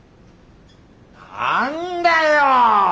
何だよ！